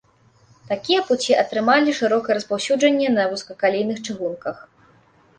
Такія пуці атрымалі шырокае распаўсюджанне на вузкакалейных чыгунках.